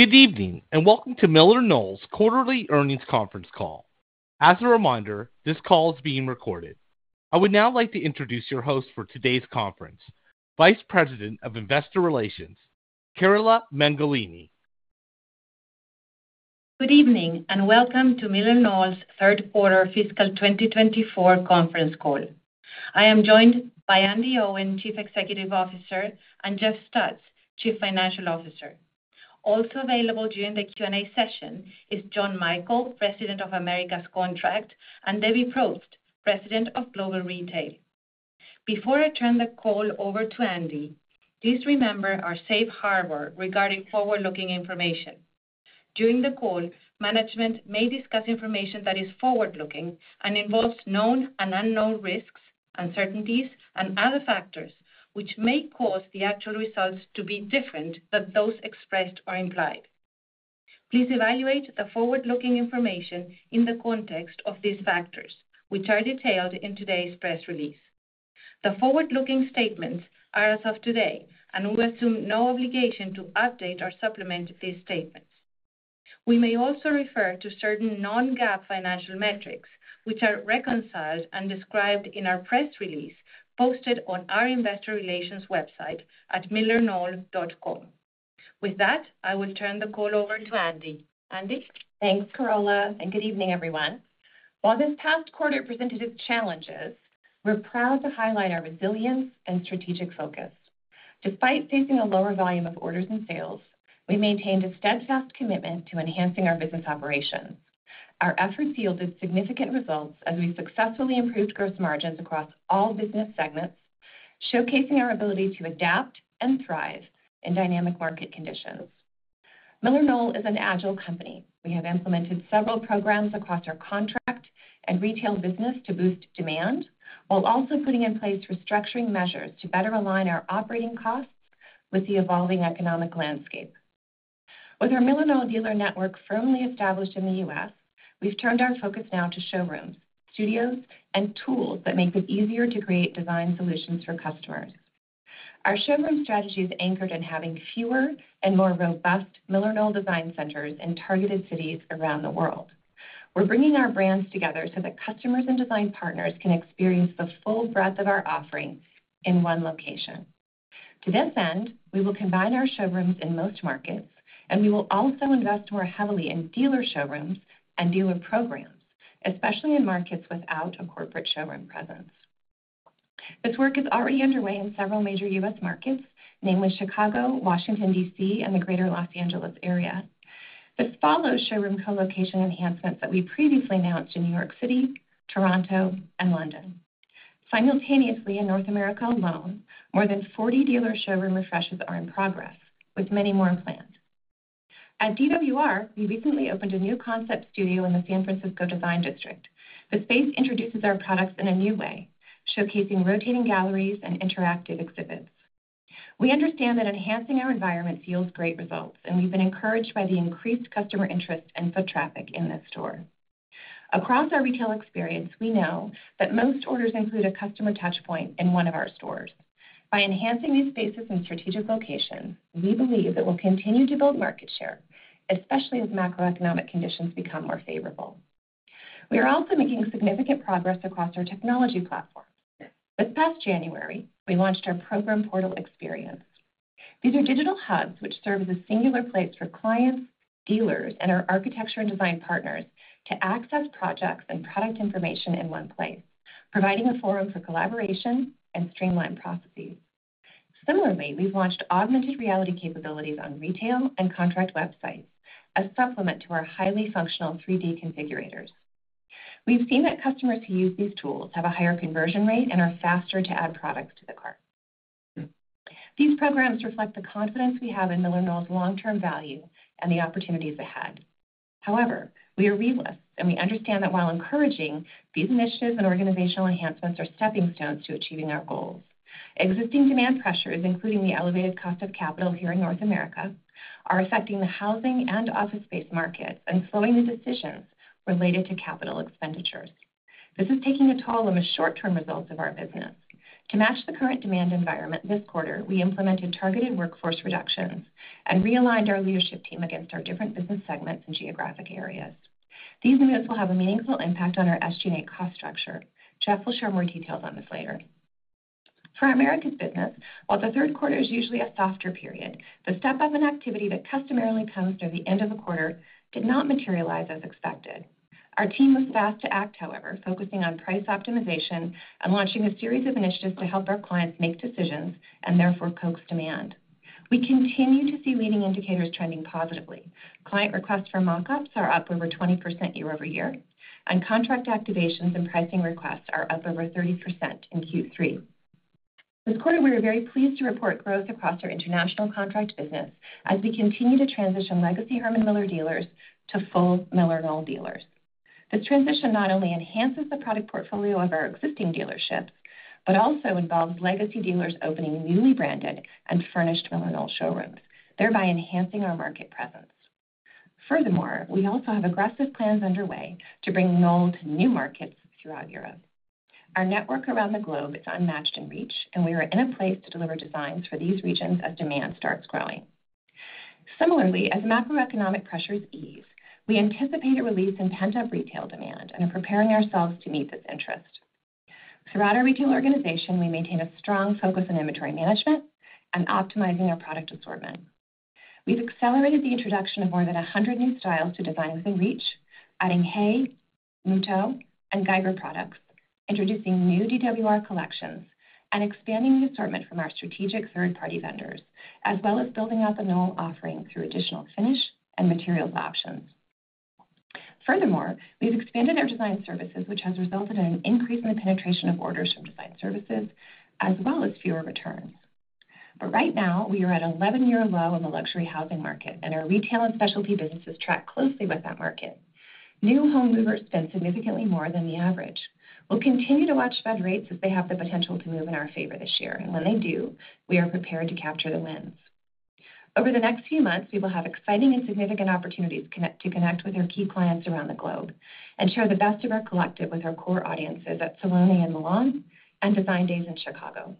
Good evening and welcome to MillerKnoll's Quarterly Earnings Conference Call. As a reminder, this call is being recorded. I would now like to introduce your host for today's conference, Vice President of Investor Relations, Carola Mengolini. Good evening and welcome to MillerKnoll's third quarter fiscal 2024 conference call. I am joined by Andi Owen, Chief Executive Officer, and Jeff Stutz, Chief Financial Officer. Also available during the Q&A session is John Michael, President of North America Contract, and Debbie Propst, President of Global Retail. Before I turn the call over to Andi, please remember our safe harbor regarding forward-looking information. During the call, management may discuss information that is forward-looking and involves known and unknown risks, uncertainties, and other factors which may cause the actual results to be different than those expressed or implied. Please evaluate the forward-looking information in the context of these factors, which are detailed in today's press release. The forward-looking statements are as of today, and we assume no obligation to update or supplement these statements. We may also refer to certain non-GAAP financial metrics, which are reconciled and described in our press release posted on our investor relations website at MillerKnoll.com. With that, I will turn the call over to Andi. Andi? Thanks, Carola, and good evening, everyone. While this past quarter presented its challenges, we're proud to highlight our resilience and strategic focus. Despite facing a lower volume of orders and sales, we maintained a steadfast commitment to enhancing our business operations. Our efforts yielded significant results as we successfully improved gross margins across all business segments, showcasing our ability to adapt and thrive in dynamic market conditions. MillerKnoll is an agile company. We have implemented several programs across our contract and retail business to boost demand, while also putting in place restructuring measures to better align our operating costs with the evolving economic landscape. With our MillerKnoll dealer network firmly established in the U.S., we've turned our focus now to showrooms, studios, and tools that make it easier to create design solutions for customers. Our showroom strategy is anchored in having fewer and more robust MillerKnoll design centers in targeted cities around the world. We're bringing our brands together so that customers and design partners can experience the full breadth of our offering in one location. To this end, we will combine our showrooms in most markets, and we will also invest more heavily in dealer showrooms and dealer programs, especially in markets without a corporate showroom presence. This work is already underway in several major U.S. markets, namely Chicago, Washington, D.C., and the Greater Los Angeles area. This follows showroom colocation enhancements that we previously announced in New York City, Toronto, and London. Simultaneously, in North America alone, more than 40 dealer showroom refreshes are in progress, with many more planned. At DWR, we recently opened a new concept studio in the San Francisco Design District. The space introduces our products in a new way, showcasing rotating galleries and interactive exhibits. We understand that enhancing our environment yields great results, and we've been encouraged by the increased customer interest and foot traffic in this store. Across our retail experience, we know that most orders include a customer touchpoint in one of our stores. By enhancing these spaces and strategic locations, we believe it will continue to build market share, especially as macroeconomic conditions become more favorable. We are also making significant progress across our technology platforms. This past January, we launched our Program Portal experience. These are digital hubs which serve as a singular place for clients, dealers, and our architecture and design partners to access projects and product information in one place, providing a forum for collaboration and streamlined processes. Similarly, we've launched augmented reality capabilities on retail and contract websites, a supplement to our highly functional 3D configurators. We've seen that customers who use these tools have a higher conversion rate and are faster to add products to the cart. These programs reflect the confidence we have in MillerKnoll's long-term value and the opportunities ahead. However, we are relentless, and we understand that while encouraging, these initiatives and organizational enhancements are stepping stones to achieving our goals. Existing demand pressures, including the elevated cost of capital here in North America, are affecting the housing and office space markets and slowing the decisions related to capital expenditures. This is taking a toll on the short-term results of our business. To match the current demand environment this quarter, we implemented targeted workforce reductions and realigned our leadership team against our different business segments and geographic areas. These moves will have a meaningful impact on our SG&A cost structure. Jeff will share more details on this later. For Americas business, while the third quarter is usually a softer period, the step-up in activity that customarily comes near the end of the quarter did not materialize as expected. Our team was fast to act, however, focusing on price optimization and launching a series of initiatives to help our clients make decisions and therefore coax demand. We continue to see leading indicators trending positively. Client requests for mockups are up over 20% year-over-year, and contract activations and pricing requests are up over 30% in Q3. This quarter, we are very pleased to report growth across our international contract business as we continue to transition legacy Herman Miller dealers to full MillerKnoll dealers. This transition not only enhances the product portfolio of our existing dealerships but also involves legacy dealers opening newly branded and furnished MillerKnoll showrooms, thereby enhancing our market presence. Furthermore, we also have aggressive plans underway to bring Knoll to new markets throughout Europe. Our network around the globe is unmatched in reach, and we are in a place to deliver designs for these regions as demand starts growing. Similarly, as macroeconomic pressures ease, we anticipate a release in pent-up retail demand and are preparing ourselves to meet this interest. Throughout our retail organization, we maintain a strong focus on inventory management and optimizing our product assortment. We've accelerated the introduction of more than 100 new styles to Design Within Reach, adding HAY, Muuto, and Geiger products, introducing new DWR collections, and expanding the assortment from our strategic third-party vendors, as well as building out the Knoll offering through additional finish and materials options. Furthermore, we've expanded our design services, which has resulted in an increase in the penetration of orders from design services, as well as fewer returns. But right now, we are at an 11-year low in the luxury housing market, and our retail and specialty businesses track closely with that market. New home movers spend significantly more than the average. We'll continue to watch Fed rates as they have the potential to move in our favor this year, and when they do, we are prepared to capture the wins. Over the next few months, we will have exciting and significant opportunities to connect with our key clients around the globe and share the best of our collective with our core audiences at Salone and Milan and Design Days in Chicago.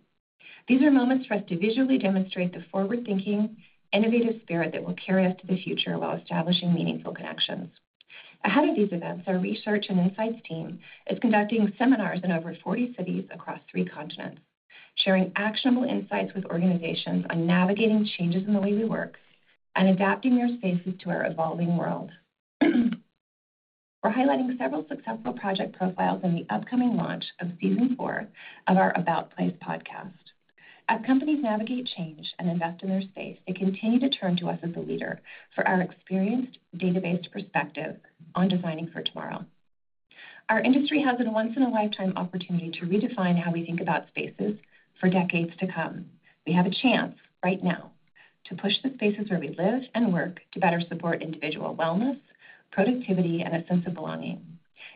These are moments for us to visually demonstrate the forward-thinking, innovative spirit that will carry us to the future while establishing meaningful connections. Ahead of these events, our research and insights team is conducting seminars in over 40 cities across three continents, sharing actionable insights with organizations on navigating changes in the way we work and adapting their spaces to our evolving world. We're highlighting several successful project profiles in the upcoming launch of season four of our About Place podcast. As companies navigate change and invest in their space, they continue to turn to us as a leader for our experienced, data-based perspective on designing for tomorrow. Our industry has a once-in-a-lifetime opportunity to redefine how we think about spaces for decades to come. We have a chance right now to push the spaces where we live and work to better support individual wellness, productivity, and a sense of belonging.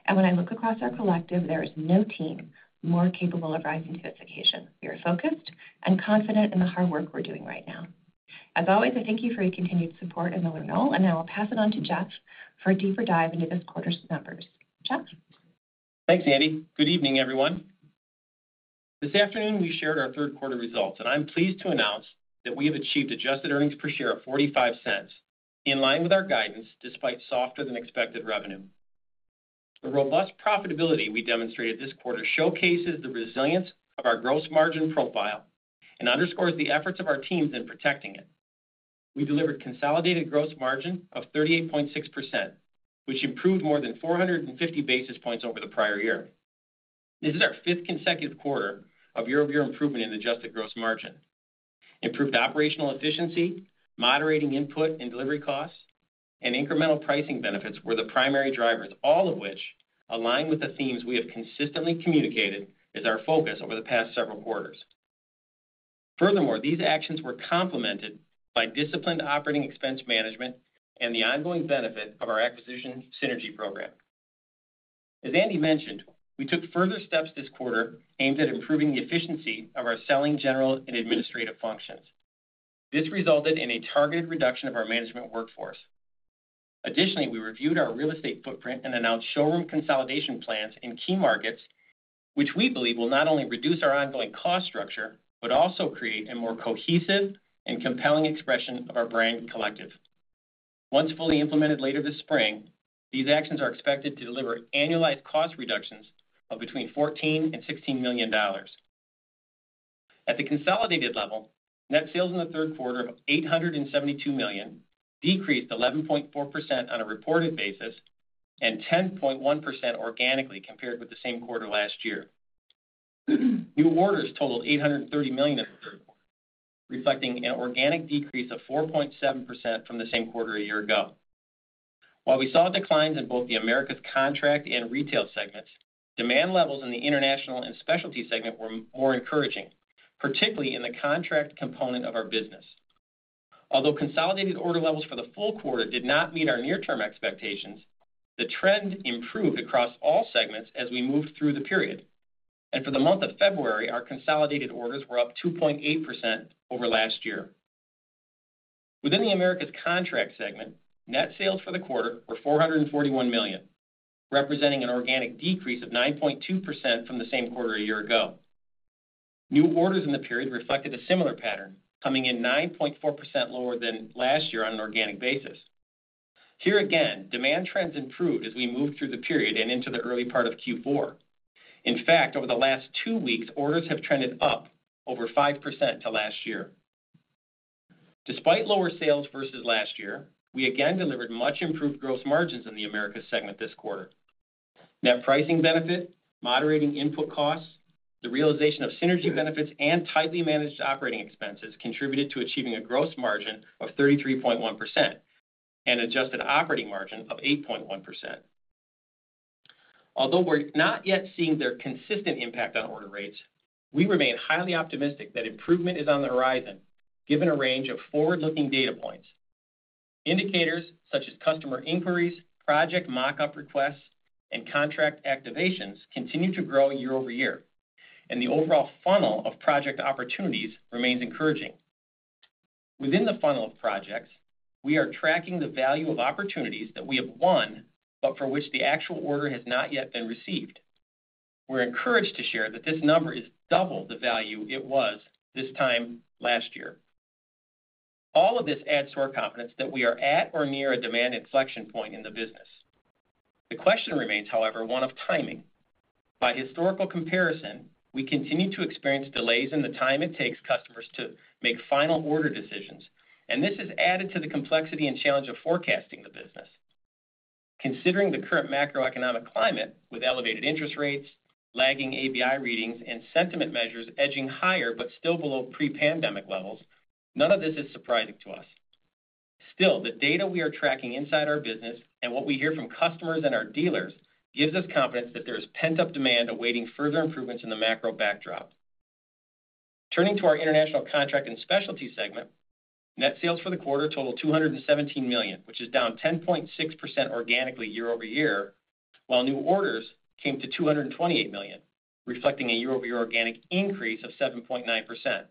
And when I look across our collective, there is no team more capable of rising to this occasion. We are focused and confident in the hard work we're doing right now. As always, I thank you for your continued support at MillerKnoll, and now I'll pass it on to Jeff for a deeper dive into this quarter's numbers. Jeff? Thanks, Andi. Good evening, everyone. This afternoon, we shared our third quarter results, and I'm pleased to announce that we have achieved adjusted earnings per share of $0.45, in line with our guidance despite softer-than-expected revenue. The robust profitability we demonstrated this quarter showcases the resilience of our gross margin profile and underscores the efforts of our teams in protecting it. We delivered consolidated gross margin of 38.6%, which improved more than 450 basis points over the prior year. This is our fifth consecutive quarter of year-over-year improvement in adjusted gross margin. Improved operational efficiency, moderating input and delivery costs, and incremental pricing benefits were the primary drivers, all of which align with the themes we have consistently communicated as our focus over the past several quarters. Furthermore, these actions were complemented by disciplined operating expense management and the ongoing benefit of our acquisition synergy program. As Andi mentioned, we took further steps this quarter aimed at improving the efficiency of our selling, general, and administrative functions. This resulted in a targeted reduction of our management workforce. Additionally, we reviewed our real estate footprint and announced showroom consolidation plans in key markets, which we believe will not only reduce our ongoing cost structure but also create a more cohesive and compelling expression of our brand collective. Once fully implemented later this spring, these actions are expected to deliver annualized cost reductions of between $14 million and $16 million. At the consolidated level, net sales in the third quarter of $872 million decreased 11.4% on a reported basis and 10.1% organically compared with the same quarter last year. New orders totaled $830 million in the third quarter, reflecting an organic decrease of 4.7% from the same quarter a year ago. While we saw declines in both the Americas Contract and Retail segments, demand levels in the international and specialty segment were more encouraging, particularly in the contract component of our business. Although consolidated order levels for the full quarter did not meet our near-term expectations, the trend improved across all segments as we moved through the period. For the month of February, our consolidated orders were up 2.8% over last year. Within the Americas Contract segment, net sales for the quarter were $441 million, representing an organic decrease of 9.2% from the same quarter a year ago. New orders in the period reflected a similar pattern, coming in 9.4% lower than last year on an organic basis. Here again, demand trends improved as we moved through the period and into the early part of Q4. In fact, over the last two weeks, orders have trended up over 5% to last year. Despite lower sales versus last year, we again delivered much improved gross margins in the Americas segment this quarter. Net pricing benefit, moderating input costs, the realization of synergy benefits, and tightly managed operating expenses contributed to achieving a gross margin of 33.1% and an adjusted operating margin of 8.1%. Although we're not yet seeing their consistent impact on order rates, we remain highly optimistic that improvement is on the horizon, given a range of forward-looking data points. Indicators such as customer inquiries, project mockup requests, and contract activations continue to grow year-over-year, and the overall funnel of project opportunities remains encouraging. Within the funnel of projects, we are tracking the value of opportunities that we have won but for which the actual order has not yet been received. We're encouraged to share that this number is double the value it was this time last year. All of this adds to our confidence that we are at or near a demand inflection point in the business. The question remains, however, one of timing. By historical comparison, we continue to experience delays in the time it takes customers to make final order decisions, and this has added to the complexity and challenge of forecasting the business. Considering the current macroeconomic climate with elevated interest rates, lagging ABI readings, and sentiment measures edging higher but still below pre-pandemic levels, none of this is surprising to us. Still, the data we are tracking inside our business and what we hear from customers and our dealers gives us confidence that there is pent-up demand awaiting further improvements in the macro backdrop. Turning to our International Contract and Specialty segment, net sales for the quarter totaled $217 million, which is down 10.6% organically year-over-year, while new orders came to $228 million, reflecting a year-over-year organic increase of 7.9%.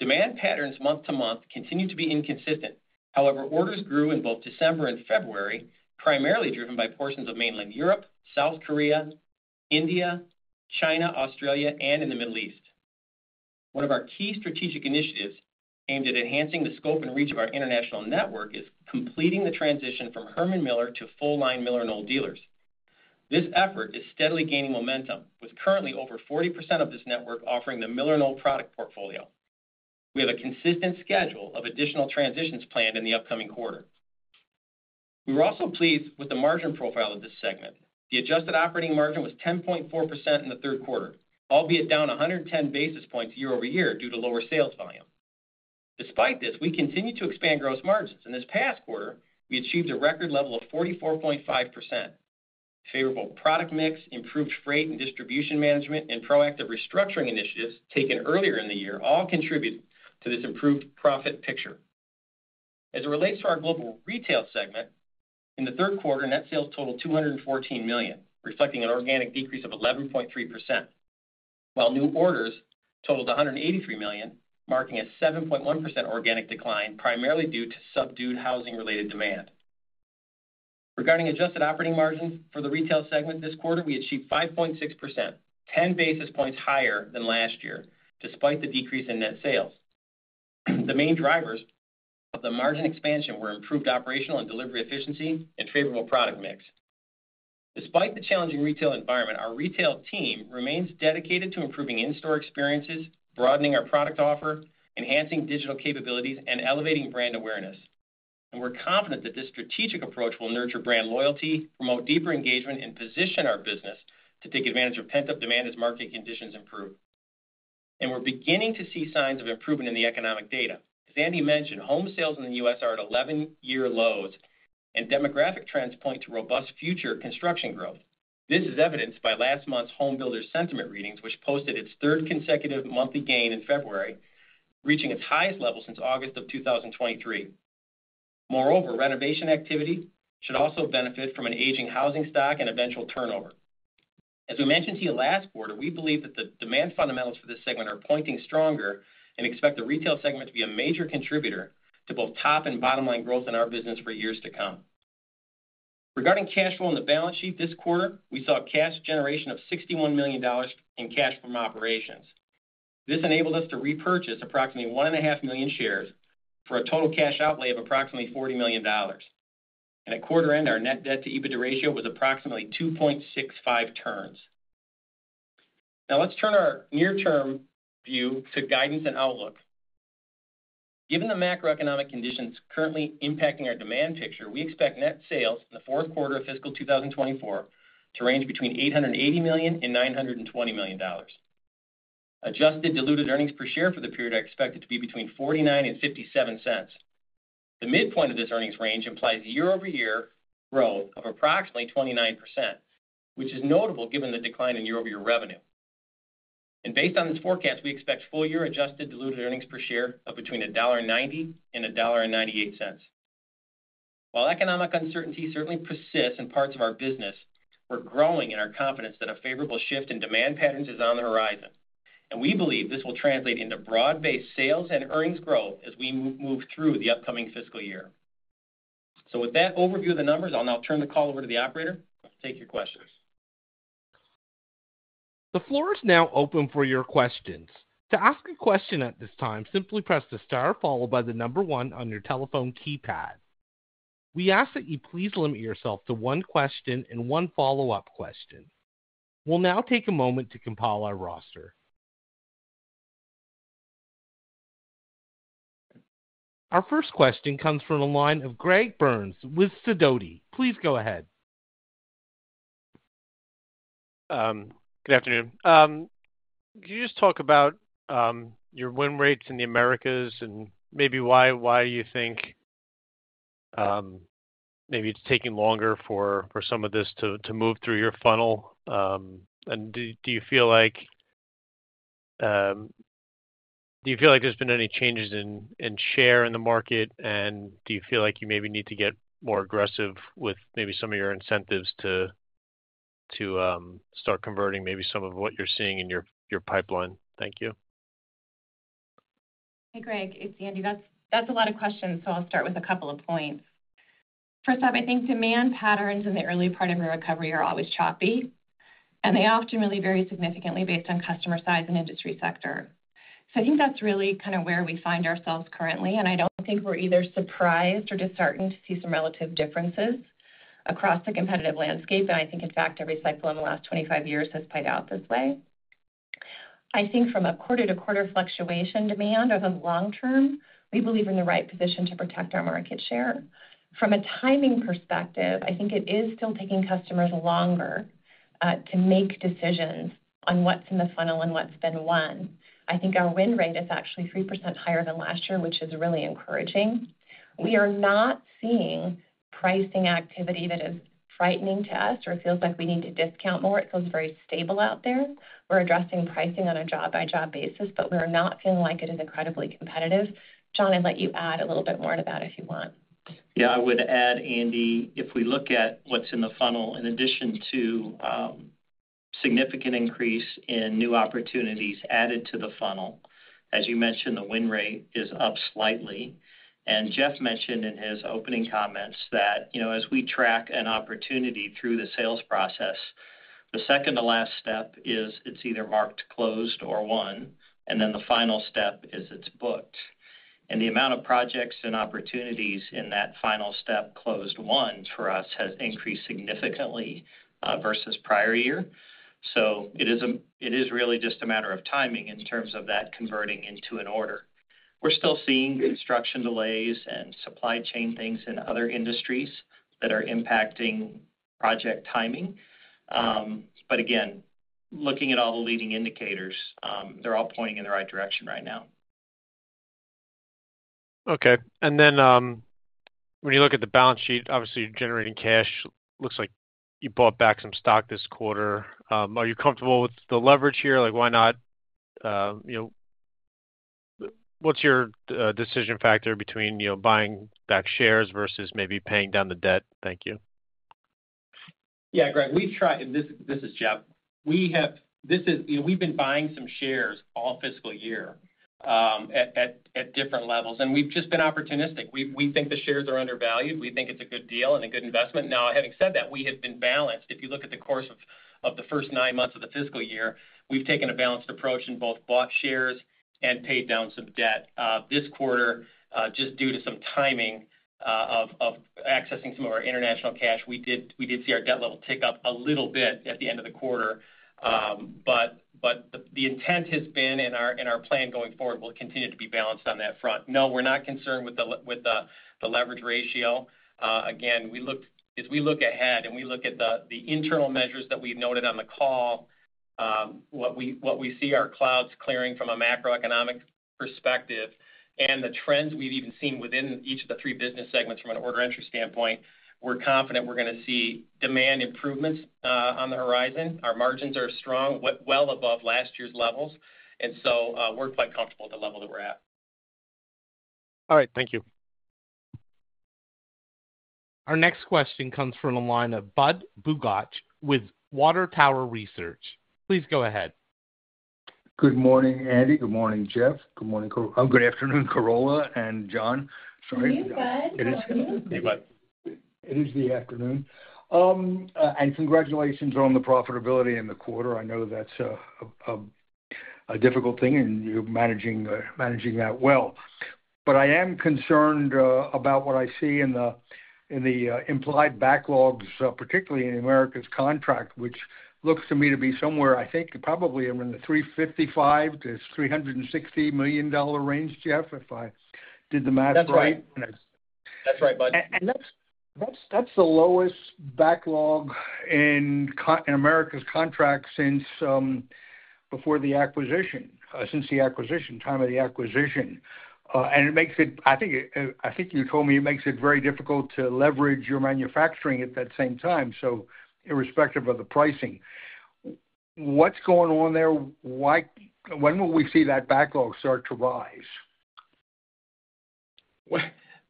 Demand patterns month-to-month continue to be inconsistent. However, orders grew in both December and February, primarily driven by portions of mainland Europe, South Korea, India, China, Australia, and in the Middle East. One of our key strategic initiatives aimed at enhancing the scope and reach of our international network is completing the transition from Herman Miller to full-line MillerKnoll dealers. This effort is steadily gaining momentum, with currently over 40% of this network offering the MillerKnoll product portfolio. We have a consistent schedule of additional transitions planned in the upcoming quarter. We were also pleased with the margin profile of this segment. The adjusted operating margin was 10.4% in the third quarter, albeit down 110 basis points year-over-year due to lower sales volume. Despite this, we continue to expand gross margins. In this past quarter, we achieved a record level of 44.5%. Favorable product mix, improved freight and distribution management, and proactive restructuring initiatives taken earlier in the year all contribute to this improved profit picture. As it relates to our global retail segment, in the third quarter, net sales totaled $214 million, reflecting an organic decrease of 11.3%, while new orders totaled $183 million, marking a 7.1% organic decline primarily due to subdued housing-related demand. Regarding adjusted operating margins for the retail segment, this quarter, we achieved 5.6%, 10 basis points higher than last year despite the decrease in net sales. The main drivers of the margin expansion were improved operational and delivery efficiency and favorable product mix. Despite the challenging retail environment, our retail team remains dedicated to improving in-store experiences, broadening our product offer, enhancing digital capabilities, and elevating brand awareness. We're confident that this strategic approach will nurture brand loyalty, promote deeper engagement, and position our business to take advantage of pent-up demand as market conditions improve. We're beginning to see signs of improvement in the economic data. As Andi mentioned, home sales in the U.S. are at 11-year lows, and demographic trends point to robust future construction growth. This is evidenced by last month's home builder sentiment readings, which posted its third consecutive monthly gain in February, reaching its highest level since August of 2023. Moreover, renovation activity should also benefit from an aging housing stock and eventual turnover. As we mentioned here last quarter, we believe that the demand fundamentals for this segment are pointing stronger and expect the retail segment to be a major contributor to both top and bottom-line growth in our business for years to come. Regarding cash flow in the balance sheet, this quarter, we saw cash generation of $61 million in cash from operations. This enabled us to repurchase approximately 1.5 million shares for a total cash outlay of approximately $40 million. At quarter-end, our Net Debt-to-EBITDA ratio was approximately 2.65 turns. Now let's turn our near-term view to guidance and outlook. Given the macroeconomic conditions currently impacting our demand picture, we expect net sales in the fourth quarter of fiscal 2024 to range between $880 million and $920 million. Adjusted Diluted Earnings Per Share for the period are expected to be between $0.49 and $0.57. The midpoint of this earnings range implies year-over-year growth of approximately 29%, which is notable given the decline in year-over-year revenue. Based on this forecast, we expect full-year adjusted diluted earnings per share of between $1.90 and $1.98. While economic uncertainty certainly persists in parts of our business, we're growing in our confidence that a favorable shift in demand patterns is on the horizon, and we believe this will translate into broad-based sales and earnings growth as we move through the upcoming fiscal year. With that overview of the numbers, I'll now turn the call over to the operator. I'll take your questions. The floor is now open for your questions. To ask a question at this time, simply press the star followed by the number 1 on your telephone keypad. We ask that you please limit yourself to 1 question and 1 follow-up question. We'll now take a moment to compile our roster. Our first question comes from a line of Greg Burns with Sidoti. Please go ahead. Good afternoon. Could you just talk about your win rates in the Americas and maybe why you think maybe it's taking longer for some of this to move through your funnel? And do you feel like there's been any changes in share in the market, and do you feel like you maybe need to get more aggressive with maybe some of your incentives to start converting maybe some of what you're seeing in your pipeline? Thank you. Hey, Greg. It's Andi. That's a lot of questions, so I'll start with a couple of points. First off, I think demand patterns in the early part of your recovery are always choppy, and they often really vary significantly based on customer size and industry sector. So I think that's really kind of where we find ourselves currently, and I don't think we're either surprised or disheartened to see some relative differences across the competitive landscape. I think, in fact, every cycle in the last 25 years has played out this way. I think from a quarter-to-quarter fluctuation demand over the long term, we believe we're in the right position to protect our market share. From a timing perspective, I think it is still taking customers longer to make decisions on what's in the funnel and what's been won. I think our win rate is actually 3% higher than last year, which is really encouraging. We are not seeing pricing activity that is frightening to us or feels like we need to discount more. It feels very stable out there. We're addressing pricing on a job-by-job basis, but we're not feeling like it is incredibly competitive. John, I'd let you add a little bit more to that if you want. Yeah, I would add, Andi, if we look at what's in the funnel, in addition to significant increase in new opportunities added to the funnel, as you mentioned, the win rate is up slightly. And Jeff mentioned in his opening comments that as we track an opportunity through the sales process, the second-to-last step is it's either marked closed or won, and then the final step is it's booked. The amount of projects and opportunities in that final step, closed one, for us has increased significantly versus prior year. So it is really just a matter of timing in terms of that converting into an order. We're still seeing construction delays and supply chain things in other industries that are impacting project timing. But again, looking at all the leading indicators, they're all pointing in the right direction right now. Okay. Then when you look at the balance sheet, obviously, generating cash looks like you bought back some stock this quarter. Are you comfortable with the leverage here? Why not? What's your decision factor between buying back shares versus maybe paying down the debt? Thank you. Yeah, Greg. And this is Jeff. We've been buying some shares all fiscal year at different levels, and we've just been opportunistic. We think the shares are undervalued. We think it's a good deal and a good investment. Now, having said that, we have been balanced. If you look at the course of the first nine months of the fiscal year, we've taken a balanced approach and both bought shares and paid down some debt. This quarter, just due to some timing of accessing some of our international cash, we did see our debt level tick up a little bit at the end of the quarter. But the intent has been and our plan going forward will continue to be balanced on that front. No, we're not concerned with the leverage ratio. Again, as we look ahead and we look at the internal measures that we've noted on the call, what we see are clouds clearing from a macroeconomic perspective, and the trends we've even seen within each of the three business segments from an order entry standpoint, we're confident we're going to see demand improvements on the horizon. Our margins are strong, well above last year's levels. And so we're quite comfortable at the level that we're at. All right. Thank you. Our next question comes from a line of Budd Bugatch with Water Tower Research. Please go ahead. Good morning, Andi. Good morning, Jeff. Good morning, good afternoon, Carola and John. Sorry. Good evening, Bud. It is the afternoon. Congratulations on the profitability in the quarter. I know that's a difficult thing, and you're managing that well. But I am concerned about what I see in the implied backlogs, particularly in Americas Contract, which looks to me to be somewhere, I think probably in the $355-$360 million range, Jeff, if I did the math right. That's right. That's right, Bud. That's the lowest backlog in Americas Contract since the acquisition, time of the acquisition. And it makes it I think you told me it makes it very difficult to leverage your manufacturing at that same time, so irrespective of the pricing. What's going on there? When will we see that backlog start to rise?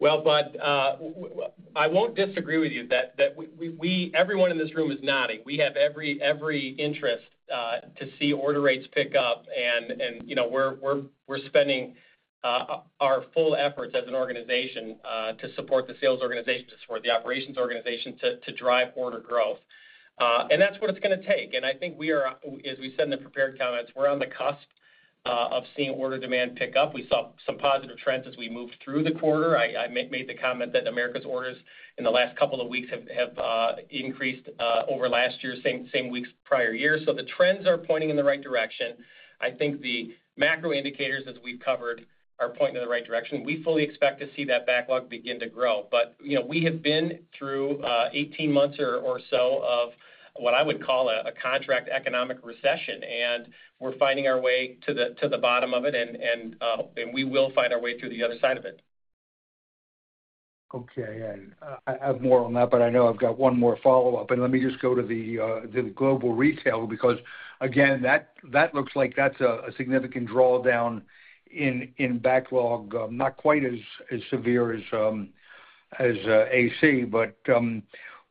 Well, Bud, I won't disagree with you. Everyone in this room is nodding. We have every interest to see order rates pick up, and we're spending our full efforts as an organization to support the sales organization, to support the operations organization, to drive order growth. That's what it's going to take. I think we are, as we said in the prepared comments, we're on the cusp of seeing order demand pick up. We saw some positive trends as we moved through the quarter. I made the comment that America's orders in the last couple of weeks have increased over last year, same weeks prior year. So the trends are pointing in the right direction. I think the macro indicators, as we've covered, are pointing in the right direction. We fully expect to see that backlog begin to grow. We have been through 18 months or so of what I would call a contract economic recession, and we're finding our way to the bottom of it, and we will find our way through the other side of it. Okay. I have more on that, but I know I've got one more follow-up. Let me just go to the global retail because, again, that looks like that's a significant drawdown in backlog, not quite as severe as AC.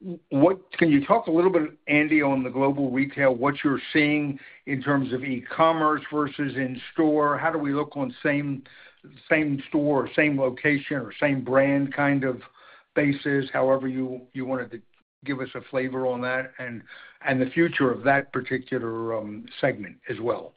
Can you talk a little bit, Andi, on the global retail, what you're seeing in terms of e-commerce versus in-store? How do we look on same store or same location or same brand kind of basis, however you wanted to give us a flavor on that, and the future of that particular segment as well?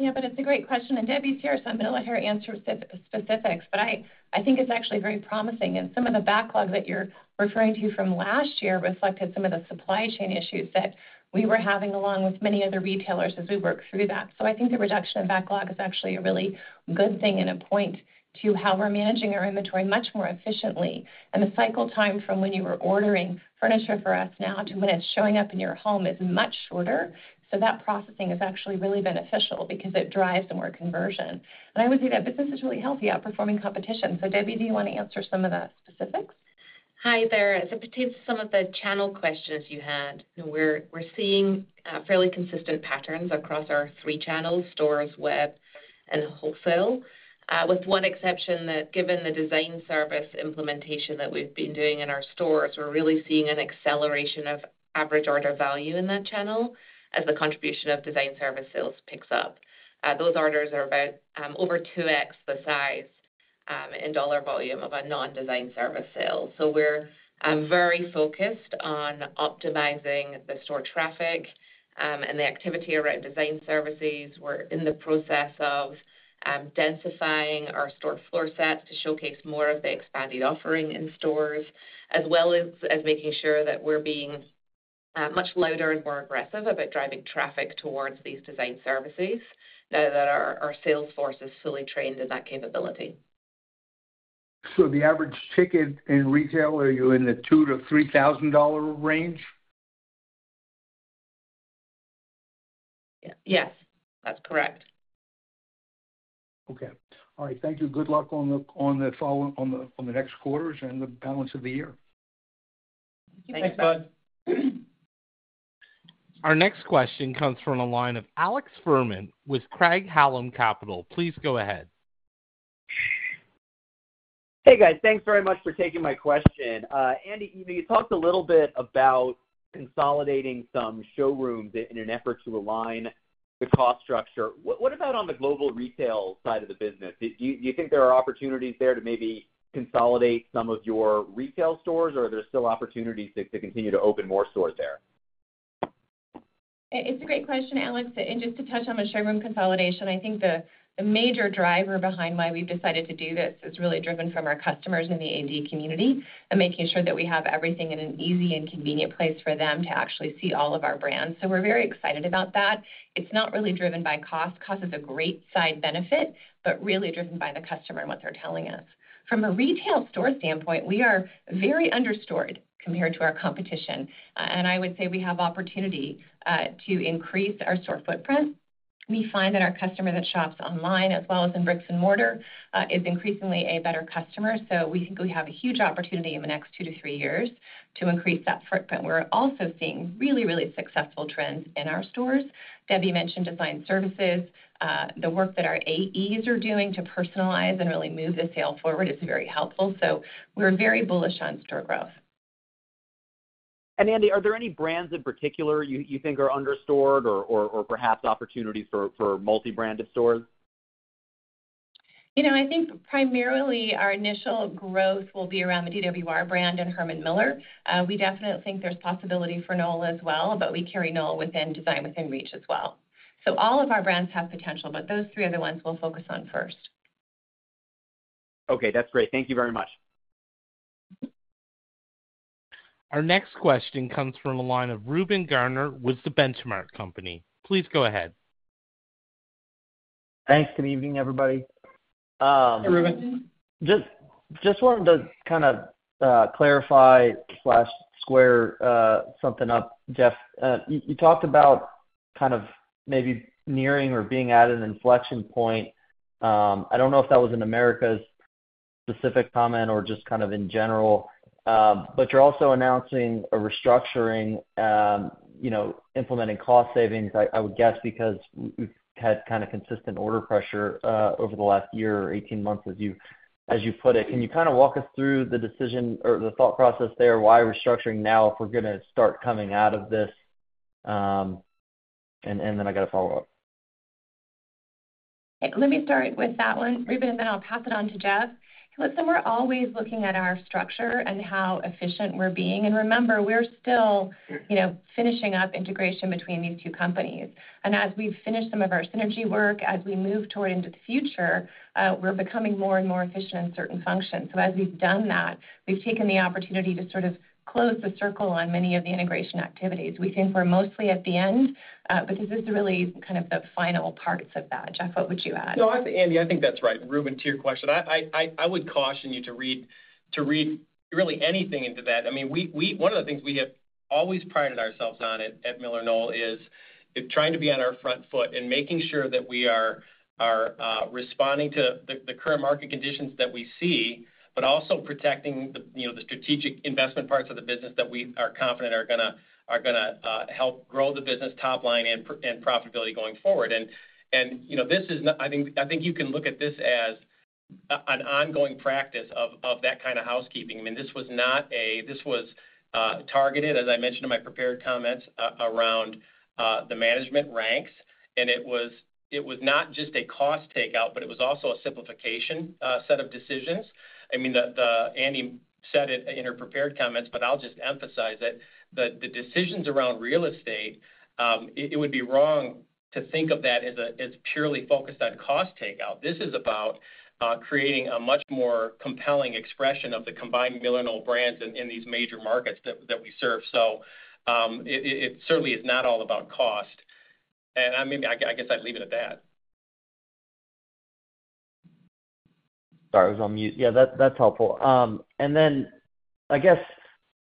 Yeah, but it's a great question. And Debbie's here, so I'm going to let her answer specifics. But I think it's actually very promising. And some of the backlog that you're referring to from last year reflected some of the supply chain issues that we were having along with many other retailers as we worked through that. I think the reduction in backlog is actually a really good thing and a point to how we're managing our inventory much more efficiently. And the cycle time from when you were ordering furniture for us now to when it's showing up in your home is much shorter. So that processing is actually really beneficial because it drives some more conversion. And I would say that business is really healthy outperforming competition. So Debbie, do you want to answer some of the specifics? Hi there. As it pertains to some of the channel questions you had, we're seeing fairly consistent patterns across our three channels, stores, web, and wholesale, with one exception that given the design service implementation that we've been doing in our stores, we're really seeing an acceleration of average order value in that channel as the contribution of design service sales picks up. Those orders are about over 2x the size in dollar volume of a non-design service sale. So we're very focused on optimizing the store traffic and the activity around design services. We're in the process of densifying our store floor sets to showcase more of the expanded offering in stores, as well as making sure that we're being much louder and more aggressive about driving traffic towards these design services now that our sales force is fully trained in that capability. The average ticket in retail, are you in the $2,000-$3,000 range? Yes, that's correct. Okay. All right. Thank you. Good luck on the next quarters and the balance of the year. Thank you. Thanks, Bud. Our next question comes from a line of Alex Fuhrman with Craig-Hallum Capital. Please go ahead. Hey, guys. Thanks very much for taking my question. Andi, you talked a little bit about consolidating some showrooms in an effort to align the cost structure. What about on the global retail side of the business? Do you think there are opportunities there to maybe consolidate some of your retail stores, or are there still opportunities to continue to open more stores there? It's a great question, Alex. Just to touch on the showroom consolidation, I think the major driver behind why we've decided to do this is really driven from our customers in the AD community and making sure that we have everything in an easy and convenient place for them to actually see all of our brands. So we're very excited about that. It's not really driven by cost. Cost is a great side benefit, but really driven by the customer and what they're telling us. From a retail store standpoint, we are very understored compared to our competition. I would say we have opportunity to increase our store footprint. We find that our customer that shops online, as well as in brick and mortar, is increasingly a better customer. So we think we have a huge opportunity in the next 2-3 years to increase that footprint. We're also seeing really, really successful trends in our stores. Debbie mentioned design services. The work that our AEs are doing to personalize and really move the sale forward is very helpful. So we're very bullish on store growth. Andi, are there any brands in particular you think are understored or perhaps opportunities for multi-branded stores? I think primarily our initial growth will be around the DWR brand and Herman Miller. We definitely think there's possibility for Knoll as well, but we carry Knoll within Design Within Reach as well. All of our brands have potential, but those three other ones we'll focus on first. Okay. That's great. Thank you very much. Our next question comes from a line of Reuben Garner with The Benchmark Company. Please go ahead. Thanks. Good evening, everybody. Hey, Reuben. Just wanted to kind of clarify or square something up, Jeff. You talked about kind of maybe nearing or being at an inflection point. I don't know if that was an America's specific comment or just kind of in general, but you're also announcing a restructuring, implementing cost savings, I would guess, because we've had kind of consistent order pressure over the last year or 18 months as you put it. Can you kind of walk us through the decision or the thought process there, why restructuring now if we're going to start coming out of this? And then I got to follow up. Let me start with that one, Reuben, and then I'll pass it on to Jeff. Listen, we're always looking at our structure and how efficient we're being. And remember, we're still finishing up integration between these two companies. And as we've finished some of our synergy work, as we move toward into the future, we're becoming more and more efficient in certain functions. So as we've done that, we've taken the opportunity to sort of close the circle on many of the integration activities. We think we're mostly at the end, but this is really kind of the final parts of that. Jeff, what would you add? No, I think, Andi, I think that's right. Reuben, to your question, I would caution you to read really anything into that. I mean, one of the things we have always prided ourselves on at MillerKnoll is trying to be on our front foot and making sure that we are responding to the current market conditions that we see, but also protecting the strategic investment parts of the business that we are confident are going to help grow the business top line and profitability going forward. And this is not—I think you can look at this as an ongoing practice of that kind of housekeeping. I mean, this was targeted, as I mentioned in my prepared comments, around the management ranks. And it was not just a cost takeout, but it was also a simplification set of decisions. I mean, Andi said it in her prepared comments, but I'll just emphasize that the decisions around real estate, it would be wrong to think of that as purely focused on cost takeout. This is about creating a much more compelling expression of the combined MillerKnoll brands in these major markets that we serve. So it certainly is not all about cost. And I guess I'd leave it at that. Sorry, I was on mute. Yeah, that's helpful. And then I guess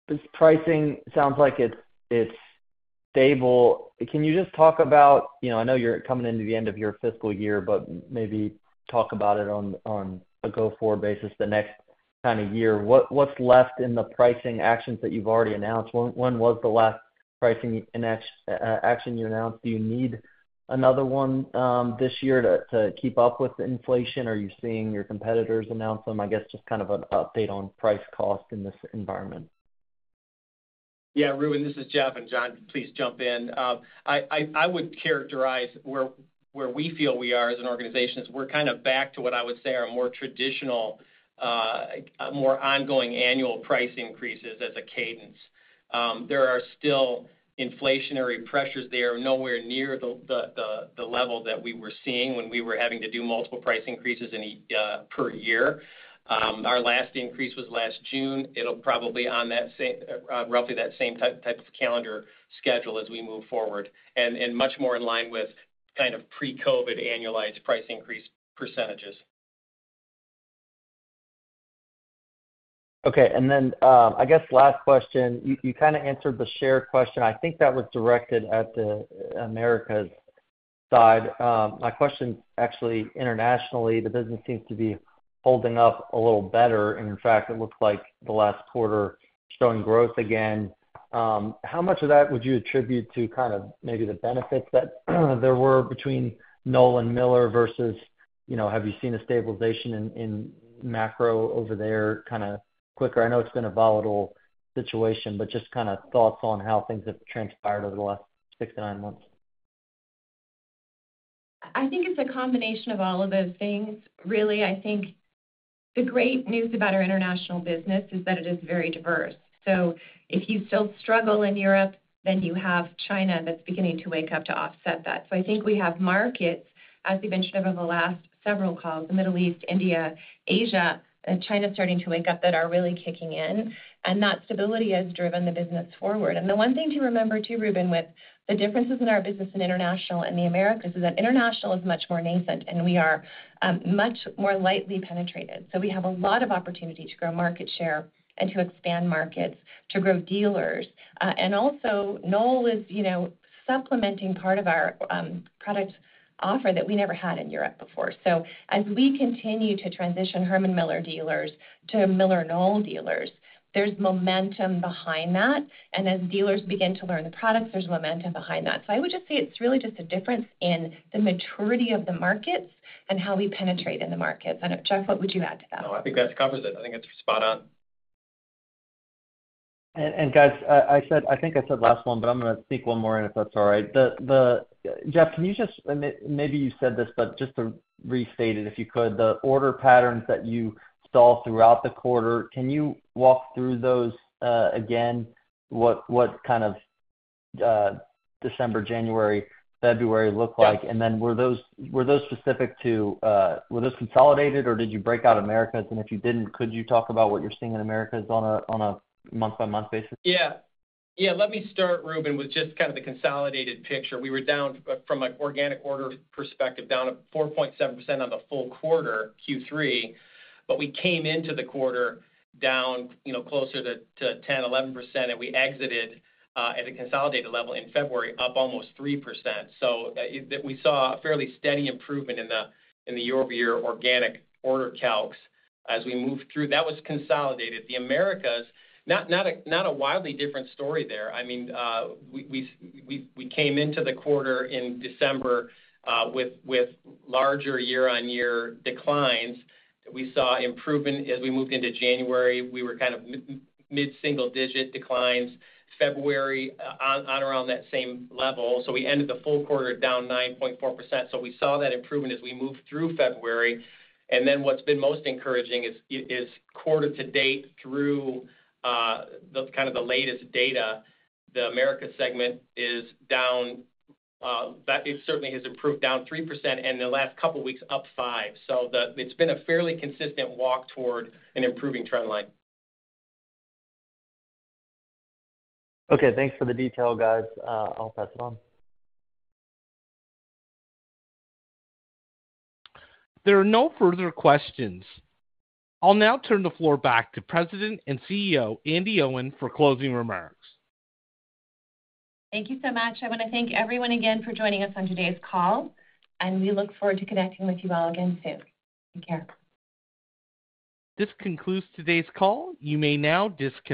this pricing sounds like it's stable. Can you just talk about, I know you're coming into the end of your fiscal year, but maybe talk about it on a go-forward basis the next kind of year. What's left in the pricing actions that you've already announced? When was the last pricing action you announced? Do you need another one this year to keep up with inflation, or are you seeing your competitors announce them? I guess just kind of an update on price cost in this environment. Yeah, Reuben, this is Jeff. And John, please jump in. I would characterize where we feel we are as an organization is we're kind of back to what I would say are more traditional, more ongoing annual price increases as a cadence. There are still inflationary pressures there, nowhere near the level that we were seeing when we were having to do multiple price increases per year. Our last increase was last June. It'll probably be on roughly that same type of calendar schedule as we move forward and much more in line with kind of pre-COVID annualized price increase percentages. Okay. And then I guess last question. You kind of answered the shared question. I think that was directed at America's side. My question's actually internationally. The business seems to be holding up a little better. And in fact, it looks like the last quarter showing growth again. How much of that would you attribute to kind of maybe the benefits that there were between Knoll and Miller versus have you seen a stabilization in macro over there kind of quicker? I know it's been a volatile situation, but just kind of thoughts on how things have transpired over the last six to nine months. I think it's a combination of all of those things, really. I think the great news about our international business is that it is very diverse. So if you still struggle in Europe, then you have China that's beginning to wake up to offset that. So I think we have markets, as we mentioned over the last several calls, the Middle East, India, Asia, China starting to wake up that are really kicking in. And that stability has driven the business forward. And the one thing to remember too, Reuben, with the differences in our business in international and the Americas is that international is much more nascent, and we are much more lightly penetrated. So we have a lot of opportunity to grow market share and to expand markets, to grow dealers. And also, Knoll is supplementing part of our product offer that we never had in Europe before. So as we continue to transition Herman Miller dealers to MillerKnoll dealers, there's momentum behind that. And as dealers begin to learn the products, there's momentum behind that. So I would just say it's really just a difference in the maturity of the markets and how we penetrate in the markets. And Jeff, what would you add to that? No, I think that covers it. I think it's spot on. Guys, I think I said last one, but I'm going to sneak one more in if that's all right. Jeff, can you just maybe you said this, but just to restate it if you could, the order patterns that you saw throughout the quarter, can you walk through those again, what kind of December, January, February looked like? And then were those specific to were those consolidated, or did you break out Americas? And if you didn't, could you talk about what you're seeing in Americas on a month-by-month basis? Yeah. Yeah. Let me start, Reuben, with just kind of the consolidated picture. We were down from an organic order perspective down 4.7% on the full quarter, Q3. But we came into the quarter down closer to 10%-11%, and we exited at a consolidated level in February up almost 3%. So we saw a fairly steady improvement in the year-over-year organic order calcs as we moved through. That was consolidated. The Americas, not a wildly different story there. I mean, we came into the quarter in December with larger year-over-year declines. We saw improvement as we moved into January. We were kind of mid-single-digit declines, February on around that same level. So we ended the full quarter down 9.4%. So we saw that improvement as we moved through February. And then what's been most encouraging is quarter to date through kind of the latest data, the America segment is down. It certainly has improved down 3% and the last couple of weeks up 5%. So it's been a fairly consistent walk toward an improving trendline. Okay. Thanks for the detail, guys. I'll pass it on. There are no further questions. I'll now turn the floor back to President and CEO Andi Owen for closing remarks. Thank you so much. I want to thank everyone again for joining us on today's call. We look forward to connecting with you all again soon. Take care. This concludes today's call. You may now disconnect.